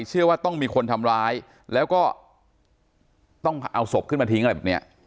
เชื่อว่าต้องมีคนทำร้ายแล้วก็ต้องเอาศพขึ้นมาทิ้งอะไรแบบเนี้ย